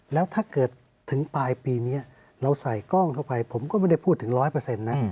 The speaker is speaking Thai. แล้วถ้าเกิดถึงปลายปีนี้เราใส่กล้องเข้าไปผมก็ไม่ได้พูดถึงร้อยเปอร์เซ็นต์นะ